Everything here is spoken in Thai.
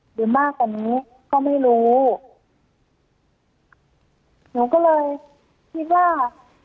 หรือมากกว่านี้ก็ไม่รู้หนูก็เลยคิดว่า